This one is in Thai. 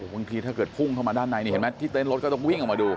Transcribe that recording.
บางทีถ้าเกิดพุ่งเข้ามาด้านในนี่เห็นไหมที่เต้นรถก็ต้องวิ่งออกมาดู